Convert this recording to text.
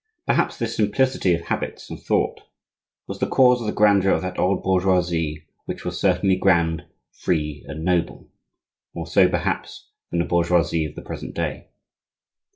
Perhaps this simplicity of habits and of thought was the cause of the grandeur of that old bourgeoisie which was certainly grand, free, and noble,—more so, perhaps, than the bourgeoisie of the present day.